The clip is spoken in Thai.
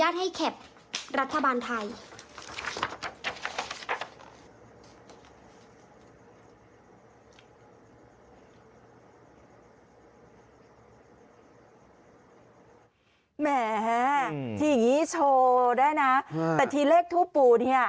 แต่ที่เลขทูปปูเนี่ย